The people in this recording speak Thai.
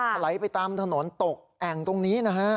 ถลายไปตามถนนตกแอ่งตรงนี้นะฮะ